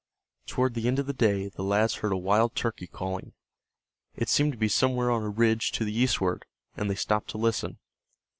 Toward the end of the day the lads heard a wild turkey calling. It seemed to be somewhere on a ridge to the eastward, and they stopped to listen.